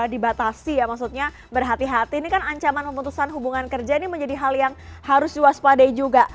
jadi kalau bicara soal harus dibatasi ya maksudnya berhati hati ini kan ancaman keputusan hubungan kerja ini menjadi hal yang harus juas pada ijo